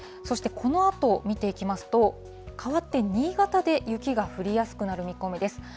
そしてこのあと見ていきますと、かわって新潟で雪が降りやすくなる見込みです。